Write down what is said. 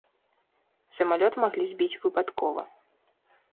Самалёт маглі збіць выпадкова.